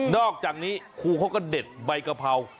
อกจากนี้ครูเขาก็เด็ดใบกะเพรา